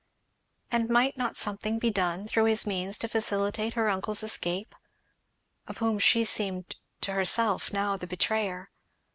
And might not something be done, through his means, to facilitate her uncle's escape? of whom she seemed to herself now the betrayer.